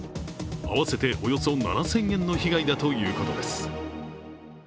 合わせておよそ７０００円の被害だということです